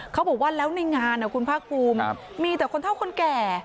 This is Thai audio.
เขาบอกว่าแล้วในงานคุณภาคภูมิมีแต่คนเท่าคนแก่